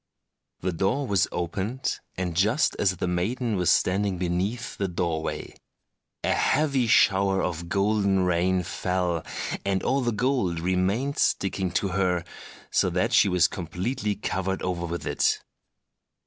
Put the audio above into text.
The door was opened, and just as the maiden was standing beneath the doorway, a heavy shower of golden rain fell, and all the gold remained sticking to her, so that she was completely covered over with it.